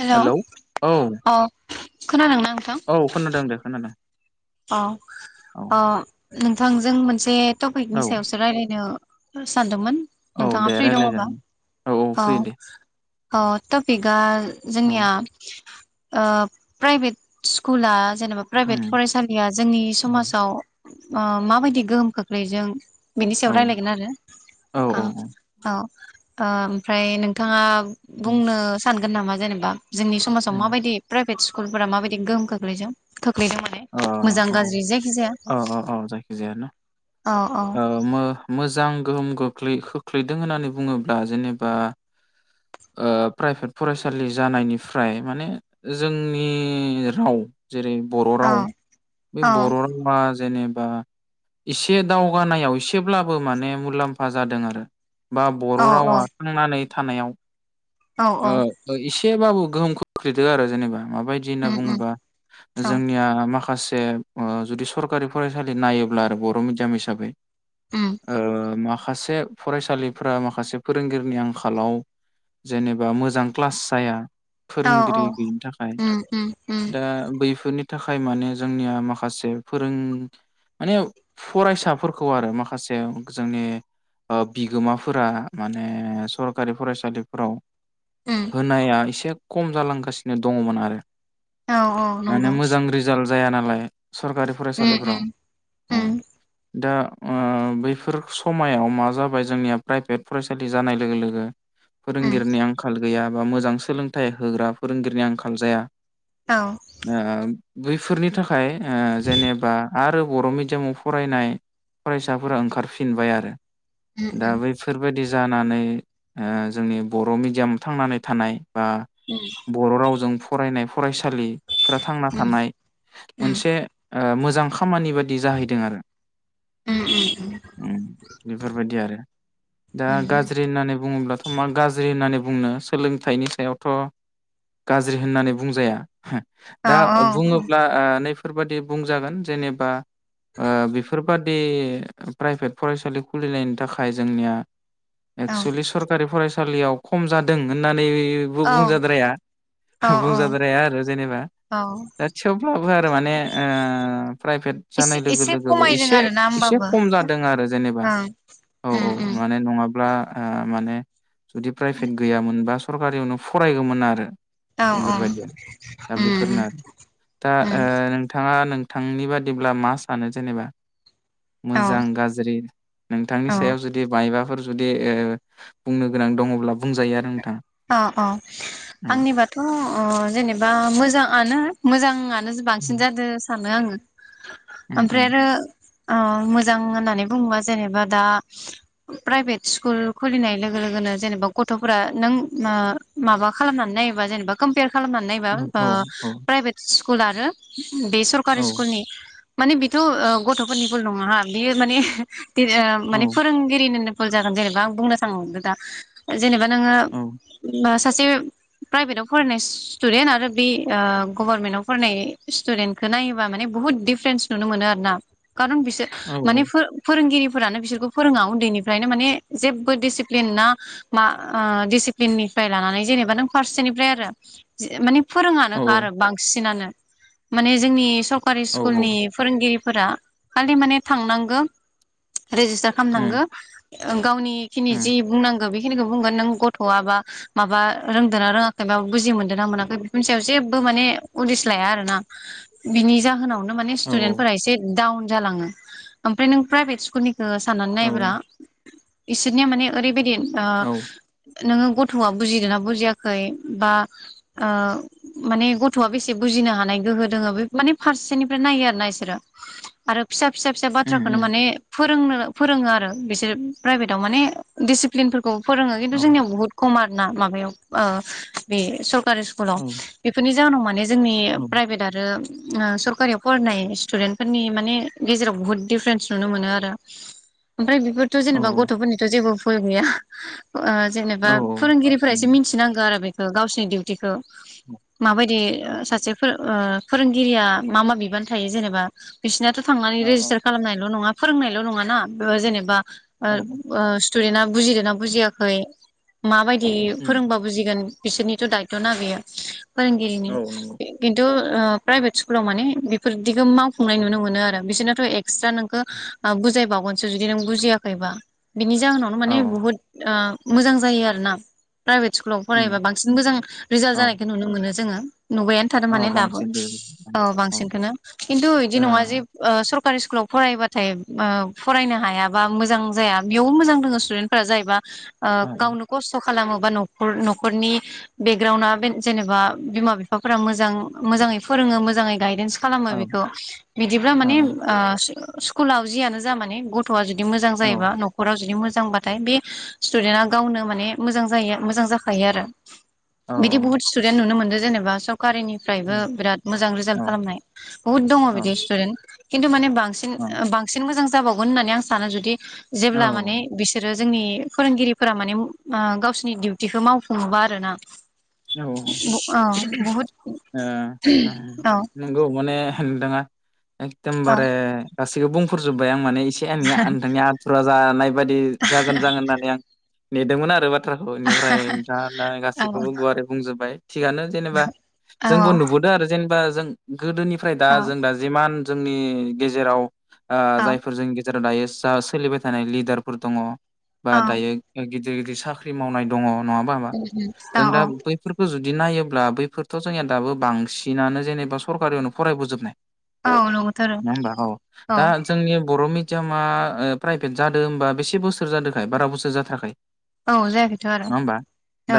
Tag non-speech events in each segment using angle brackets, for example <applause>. हेल' hello औ अ खोनादोंना नोंथां औ खोनादों दे खोनादों अ औ अ नोंथांजों मोनसे औ टपिकनि सायावसो रायलायनो सान्दमोन औ नोंथाङा दे फ्रि रायज्लाय दङबा जागोन औ अ थपिग औ जोंनिया प्राइभेट स्कुला जेनबा प्राइभे उम फरायसालि दैया जोंनि उम समाजाव माबायदि गोहोम खोख्लैजों बेनि सायाव औ रायज्लायगोन आरो औ ओ औ औ ओ ओमफ्राय नोंथाङा उम बुंनो सान हागोन नामा जेनेबा जोंनि समाजाव उम माबायदि फ्रा सकल फोरफोरा माबायदि गोहोम खोख्लैदों खोख्लैदों माने ओ औ मोजां गाज्रि जायखिजाया औ ओ ओ ओ जायखिजाया न' औ औ ओ मो-मोजां गोहोम गोख्लै खोख्लैदों होननानै बुङोब्ला जेनेबा ओ प्राइभ्रेट फरायसालि जानायनिफ्राय माने जोंनि राव जेरै बर' औ राव बे औ बर' रावा जेनेब बा एसे दावगानायाव एसेब्लाबो माने मुलाम्फा जादों आरो। बा बर' औ रावा थांनानै थानायाव औ औ सेबाबो गोहोम खोखैदो आरो जेनेबा। मा बायदि होनना उम उम बुङोबा औ जोंनिया माखासे जे ओ जुदि सरकारि फरायसालि नायोब्ला आरो बर' मिडियाम हिसाबै उम ओ मा खासे फरायसालिफ्रा माखासे फोरोंगिरिनि आंखालाव जेनेबा मोजां क्लास जाया। औ औ फोरोंगिरि गैयिनि थाखाय उम उम उम दा बैफोरनि थाखाय माने जोंनिया माखासे फोरों माने फरायसाफोरखौ आरो माखासे जोंनि ओ बिगोमाफोरा माने सरखारि फरायसालिफोराव उम होनाया एसे खम जालांगासिनो दङमोन आरो। औ औ माने नंगौ मोजां रिजाल्ट जाया नालाय सरकारि उम फरायसालिफोराव उम औ उम दा आ बैफोर समायाव मा जाबाय जोंनिया प्राइभेट फरायसालि जानाय लोगो लोगो उम फोरोंगिर खाल गैया बा मोजां सोलोंथाइ होग्रा फोरोंगिरिनि आंखाल जाया। औ <unintelligible> बैफोरनि थाख खाय ओ जेनेबा आरो बर' मिडियामाव फरायनाय उम फरायसाफोरा ओंखारफिनबाय आरो। उम दा उम बैफोरबायदि जानानै ओ जोंनि बर' मिडियाम थांनानै थानाय बा उम बर' रावजों फरायनाय फरायसालि फोरा थांना उम थानाय मोनसे ओ मोज मोजां खामानि बाय इदि जाहैदों आरो उम उम बेफोरबायदि आरो दा उम गाज्रि होन्नानै बुङोब्ला मा गाज गाज्रि होननानै बुंनो सोलोंथाइनि सायावथ' गाज्रि होननानै बुंजाया औ दा औ बुङोब्ला ओ नै फोरबादि बुंजागोन जेनेबा ओ बेफोर बेबादि प्राइभेट फरायसालि खुलिनायनि थाखाय जोंनिया औ एकसुलि सरखारि फरायसा याव खम जादों होननानै बो औ बुंजाद्राया औ बुंजाद्राया आरो जेनेबा औ औ दा थेवब्लाबो आरो माने ओ प्राइभेट एसे जानाय लोगो एसे लोगोबो खमायदों एसे आरोना एसे होमबाबो खम जादों आरो जेनेबा ओं औ उम औ उम माने नङाब्ला ओ माने जुदि प्राइभेट गैयामोनबा सरकारियावनो फरायगौमोन आरो औ औ बेफोरबायदि आरो दा उम बेफोरनो आरो दा उम ओ‌ नोंथाङा थांनि बादिब्ला मा सानो जेनेबा? औ मोजां गाज्रि नोंथांनि औ सायाव जुदि मायबाफोर जुदि ओ बुंनो गोनां दङब्ला बुंजायो आरो नोंथां। औ औ आंनिबाथ' ओ जेनेबा मोजाङानो मोजाङानो बांसिन उम जादो सान आङो ओमफ्राय उम आरो अ मोजां होननानै बुङोबा जेनेबा दा प्राइभेट स्कुल खुलिनाय लोगो लोगोनो जेनेबा गथ'फोरा नों माबा खालामनानै नायोबा जेनेबा कम्पयार खालामनानै नायबा उम ओ उम प्राइभेट फ्कग स्कुल आरो बे औ सरकारि स्कुलनि माने बेथ' गथ'फोरनिबोल नङा बियो माने औ माने फोरोंगिरिनो नो जागोन जेनेबा आं बुंनो सानदों दा जेनेबा नोङो औ बास सासे प्राइभेटआव फरायनाय स्टुदेन्ट आरो बे ओ‌ गभारमेन्टआव फरायनाय स्टुदेन्टखौ नायोबा माने बुहुत दिडिफारेन्स नुनो मोनो आरो ना खारन बिसोर औ माने फो-फोरोंगिरि फोरानो बिसोरखौ फोरोङा उन्दैनिफ्रायनो माने जेबो डिसिप्लिन ना मा‌ ओ डिसिप्लिन ननिफ्राय लानानै जेनेबा नों फारसेनिफ्राय आरो माने फोरोङानोखा औ आरो औ बांसिनानो माने जोंनि स औ सरकारि औ स्कुलनि फोरोंगिरि फोरा खालि माने थांनांगो रेजिस्टार खालामनांगो उम औ गावनिखिनि जि उम बुंनां बेखिनिखो बुंबानो नों ग थ'आ बा माबा रोंदोना रोङाखै माबा बुजि मोनदों ना मोनाखै बेफोरनि सायाव जेबो माने उदिस लाया आरो ना बिनि जाहोनाव माने औ स्तुदेन फोरा एसे दाउन जालाङो ओमफ्राय नों प्राइभेट स्कुलनि साननानै औ नायब्रा इसोरनिया माने ओरैबायदि आ औ औ नोङो गथ'आ बुजिदोना बुजियाखै बा ओ माने गथ'आ बेसे बुजिनो हानाय गोहो दोङो बे माने फारसेनिफ्राय नायो आरो ना इसोरो आरो फिसा फिसा फिसा उम बाथ्राखोनो माने फोरोंनो फोरोङो आरो बिसोर प्राइभेटाव माने डिसिप्लिनफोरखौ फोरों किन्तु जोंनियाव बहुत खम आरो नाव माबायाव ओ बे सर कारि स्कुलाव बेफोरनि जाहोनाव माने जोंनि उम प्राइभेट आरो ओ सरकारियाव फरायनाय स्टुदेन्ट फोरनि माने गेजेराव बुहुत दिफारेन्स नुनो मोनो आरो ओमफ्राय बेफोरथ' औ जेनेबा गथ'फोरनिथ' जेबो भु ल गैया। ओ जेनेबा फोरोंगिरिफोरा एसे मिनथिनांगौ आरो बे ओ गावसिनि दिउतिखो माबायदि सासेफोर ओ फोरोंगिरिया मा मा बिबान थायो जेनेबा बिसिनाथ' थांनानै औ रेजिस्टार खालामनायल' नङा फोरोंनायल' नङाना ओ जेनेबा ओ औ उम औ ओ स्टुदेन्टया बुजिदोना बुजियाखै खै माबाय दि उम फोरोंबा बुजिगोन बिसोरनिथ' दायथ'ना बेयो फोरोंगिरिनि औ नंगौ किन्टु ओ प्राइभेट स्कुलाव माने बेफोरदिखौ मावफुंनाय नुनो मोनो आरो बिसोरनाथ' एक्सट्रा नोंखौ बुजायबावगोनसो जुदि नों बुजियाखैबा बिनि जाहोनावनो माने औ बुहुत ओ मोजां जायो आरो ना प्राइभेट स्कुलाव उम फरायबा बांसिन मोजां रिजाल औ जानायखौ नुनो मोनो जोङो नुबायानो थादों औ माने दाबो बांसिन औ ओ बांसिनखौनो खिन्थु बिदि नङा जे ओ औ सर सरकारि स्कुलाव फरायबाथाय ओ फरायनो हायाबा मोजां जाया बेयावबो मोजां दङ स्टुडेन्टफोरा जायबा ओ गावनो खस्थ' खालामोबा न'खर न'खरनि बेकग्राउणडआ जेनेबा बिमा बिफाफोरा मोजां मोजाङै फोरोङो मोजाङै गायदेन्स खालामो बेखौ बिदिब्ला माने औ ओ स्कुलाव जियानो जा माने गथ' ग'थया जुदि मोजां औ जायोब औ नख'र जुदि मोजां मोजांबाथाय बे स्टुदेन्टा गावनो माने मोजां जायो मोजां जाखायो आरो औ बिदि बहुत स्टुदन्त नुनो मोनदों जेनेबा सब औ सकारिनिफ्रायबो बिराद मोजां औ रिजाल्ट खालामनाय बुहुत दङ बिदि स्टुदेन्त खिन्थु माने बांसिन औ बांसिन मोजां जाबावगोन होननानै आं सानो जुदि औ जेब्ला माने बिसोरो जोंनि फोरोंगिरिफोरा माने ओ गावसोरनि दिउथिखौ मावफुङोबा आरो ना औ ओ ओ औ नंगौ माने <unintelligible> औ एकदेमबारे गासैबो बुंफोरजोब्बाय आं आं माने एसे आंनिया नोंथांनि आथुरा जानाय बायदि जागोन जागोन होननानै आं नेदोंमोन आरोबा <unintelligible> निफ्राय नोंथाङा औ गाैखौबो गुवारै होबाय थिगानो जेनेबा जोंबो नुबोदों आरो जेनेबा जों गोदोनिफ्राय दा औ जों दा जिमान जोंनि गेजेराव ओ औ जायफोर जों जेराव दायो जा सोलिबाय थानाय लिडारफोर दङ। बा दायो गिदि दिर गिदिर साख्रि मावनाय दङ। नङा बाबा औ जों दा औ फोरखो जुदि नायोब्ला बैफोरथ' जाया दाबो बांसिनानो जेनेबा सरकारियावनो फरायबोजोबनाय। औ नंगौथ' आरो नङा होमबा औ दा जोंनि बर' मि सामा ओ प्राइभेट जादों होनबा बेसे बोसोर जादोंखाय बारा बोसोर जाथाराखाय। औ जायाखैथ' आरो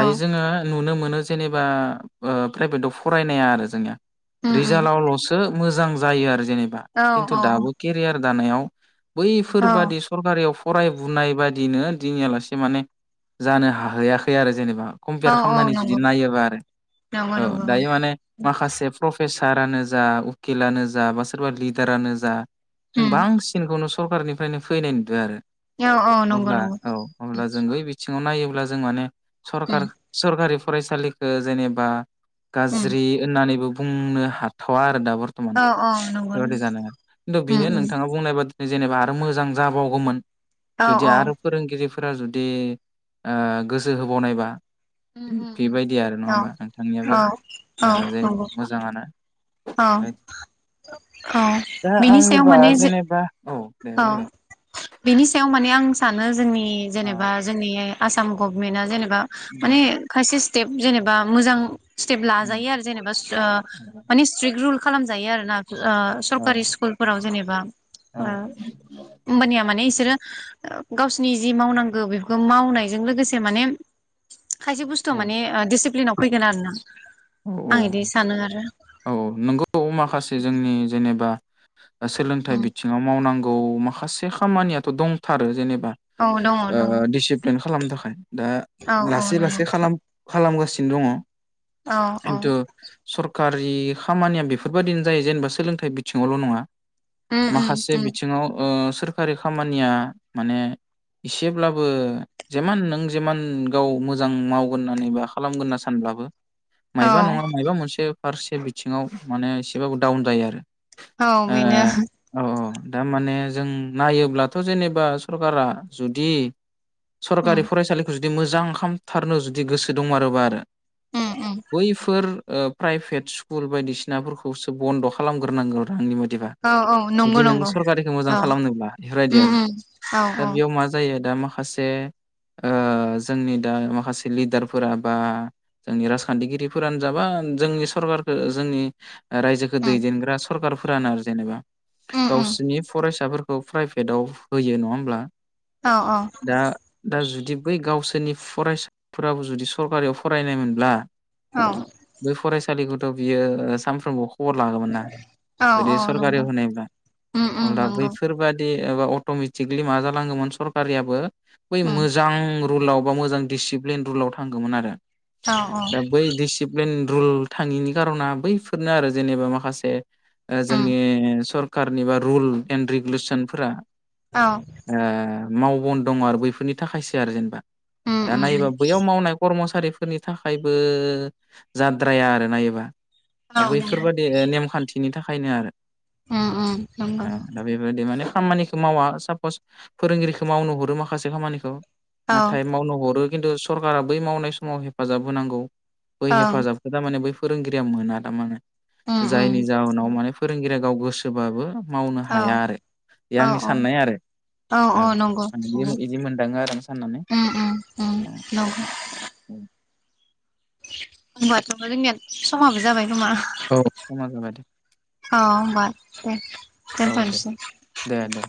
औ जोङो नुनो मोनो जेनेबा ओ प्राइभेटआव फरायनाया आरो जोंनिया उम उम रिजालावल'सो मोजां जायो आरो जेनेबा औ खिन्थु औ दाबो केरिआर दानायाव औ बैफोरबादि सरकारियाव फरायबुनाय बायदिनो दिनैयालासे माने जानो हाहैयाखै आरो जेनेबा। औ कमपियार औ खालामनानै जुदि नंगौ नायोबा आरो नंगौ औ नंगौ दायो माने माखासे प्रफेस सारानो जा उकिलानो जा बा सोरबा लिडारानो जा जों उम बांसिनखौनो स सरखारनिफ्रायनो फैनाय नुदों आरो। औ औ नंगौ अब्ला नंगौ औ अब्ला जों बै बि सिङाव नायोब्ला जों माने उम सरखार सरकारि फरायसालिखो जेनेबा उम गाज्रि ओननानैबो बुंनो हाथ'वा आ ओ दा बर्थमान औ औ नंगौ बेबादि नंगौ जानाया आरो खिन्थु उम बेनो उम नोंथाङा बुंनाय बादि जेनेबा आरो मोजां जाबावगौमोन औ जुदि औ आरो फोरोंगिरि फ फोरा जुदि ओ गोसो होबावनायबा उम उम उम बेबायदि आरो नङा औ होमबा नोंथांनियाबो औ औ ओ जेरै नंगौ मोजाङानो औ औ दा बिनि सायाव आंनिबा माने जे जेनेबा औ दे औ बुंलाय बिनि सायाव माने आं सानो जोंनि इ औ जेनेबा जोंनि आसाम गभमेट आ जेने बा माने खायसे टेप जेनेबा मोजां स्टेप औ लाजायो आरो जेनेबा ओ माने स्ट्रिक रुल खालामजायो आरोना। ओ सरकारि स्कुलफोराव जेनेबा ओ होमबानिया माने ए सोरो ओ गावसिरनि जि मावनांगौ बेफोरखौ मावनायजों लोगोसे माने खायसे बुस्थुआ औ माने ओ डिसिप्लिनाव फैगोन आरो ना औ औ आं इदि सानो आरो औ नंगौ माखासे जोंनि जेनेबा सोलोंथाइ बिथिङाव मावनांगौ। औ माखासे खामानियाथ' दंथारो जेने बा औ दङ ओ दङ दिसिप्लिन खालामनो थाखाय दा औ औ लासै नंगौ लासै खालाम। खालामगासिनो दङ। औ औ खिन्थु सर खारि खामानिया बेफोरबायदिनो जायो जेनेबा सोलोंथाइ बिथिङावल' नङा उम उम माखासे उम बिथिङाव ओ थोरखारि खामानिया माने एसेब्लाबो जेमान नों जेमान गाव मोजां मावगोन होननानै बा खालामगोन होनना सानब्लाबो औ मायबा नङा मायबा मोनसे फारसे बिथिङाव माने एसेबाबो डाउन जायो आरो औ बिनो दामाने जों नायोब्लाथ' जेनेबा सरकारा जुदि उम सरकारि फरायसालि दि मोजां खामथारनो जुदि गोसो दंमारोबा आरो उम उम बैफोर ओ प्राइभेट स्कुल बायदिसिनाफोरखौसो बन्द' खालामग्रोनांगौ आंनि म दिबा औ औ नंगौ जुदि नों नंगौ सरकारिखौ मोजां औ खालामनोब्ला बेफोरबायदि उम आरो उम औ दा औ बेयाव मा जायो दा माखासे माखासे ओ जोंनि दा माखासे लिडारफोरा बा जोंनि राजखान्थिगिरिफोरानो जाबा जोंनि सरखारखौ जोंनि रायजोखौ उम दैदेनग्रा सरखारफोरानो आरो जेनेबा उम उम गावसिनि फरायसा फिसाफोरखौ प्राइभेटाव होयो नङा होमब्ला? औ औ दा दा जु बि बै गावसोरनि फरायसाफोराबो जुदि सरकारियाव फरायनाय मोन ब्ला औ बे फरायसा लिखौथ' बियो सानफ्रोमबो खबर लागोमोन ना औ जुदि औ सरकारियाव नंगौ होनायब्ला उम उम अब्ला नंगौ बैफोरबादि एबा अट'मेटिकलि मा जालांगोमोन सरकारियाबो बै उम मोजां रुलाव बा मोजां डिसिप्लिन रुलाव थांगौमोन आरो औ औ दा बै डिसिप्लिन रुल थाङिनि कार'ना बैफोरनो आरो जेनेबा माखासे ओ‌ उम जोंनि सर सोरखारारनि बा रुल एन्ड रेगुलेसनफोरा औ ओ मावबन दङ आरो बैफोरनि थाखायसो आरो जेनेबा उम दा उम नायोबा उम बैयाव मावनाय खर्मसा सारि फोरनि थाखायबो जाद्राया आरो नायोबा। औ द नंगौ बैफोरबादि नेमखान्थि बिनि थाखायनो आरो उम उम नंगौ औ दा बेबायदि माने खामानिखौ मावा सापस फोरोंगिरिखौ मावनो हरो माखासे खामानिखौ औ नाथाय मावनो हरो खिन्थु सरकारा बै मावनाय समाव हेफाजाब होनांगौ बै ओं हेफाजाबखौ थारमाने बै फोरोंगिरिया मोना ना मानो? उम जायनि जाहोनाव उम माने फोरोंगिरि गाव गोसोबाबो मावनो औ हाया आरो बे औ आंनि औ साननाय आरो औ आं बिदि मोनदाङो आरो आं साननानै उम उम उम नंगौ होनबाथ' जोंनिया समाबो जाबाय खोमा? औ समा जाबाय दे। अ होमबा दे औ दे दे दे <unintelligible>